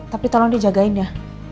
tapi tolong dijagain ya